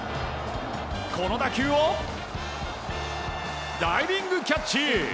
この打球をダイビングキャッチ！